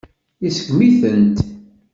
Iseggem-itent.